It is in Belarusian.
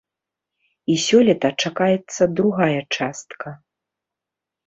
І сёлета чакаецца другая частка.